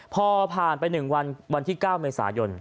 พอผ่านไป๑วันวันที่๙เมษายน